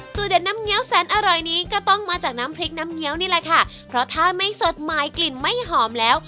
เด็ดน้ำเงี้ยวแสนอร่อยนี้ก็ต้องมาจากน้ำพริกน้ำเงี้ยวนี่แหละค่ะเพราะถ้าไม่สดใหม่กลิ่นไม่หอมแล้ว